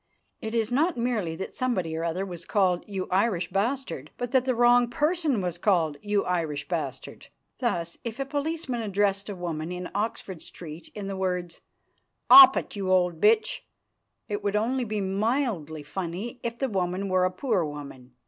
It is not merely that somebody or other was called "You Irish bastard," but that the wrong person was called "You Irish bastard." Thus, if a policeman addressed a woman in Oxford Street in the words: "'Op it, you old bitch," it would be only mildly funny, if the woman were a poor woman.